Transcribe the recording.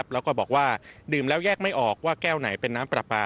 แล้วก็บอกว่าดื่มแล้วแยกไม่ออกว่าแก้วไหนเป็นน้ำปลาปลา